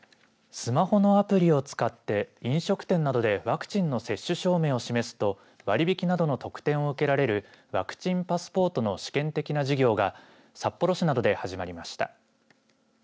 スマホのアプリを使って飲食店などでワクチンの接種証明を示すと割引などの特典を受けられるワクチンパスポートの試験的な事業が札幌市などで始まりました。